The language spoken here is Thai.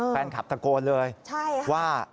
แฟนคลับตะโกนเลยว่า